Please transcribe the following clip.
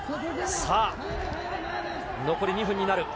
さあ、残り２分になる。